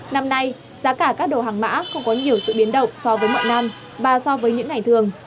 năm nay giá cả các đồ hàng mã không có nhiều sự biến động so với mọi năm và so với những ngày thường